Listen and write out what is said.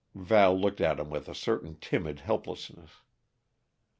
Val looked at him with a certain timid helplessness.